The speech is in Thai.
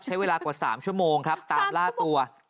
ใช้เวลากว่า๓ชั่วโมงครับตามล่าตัว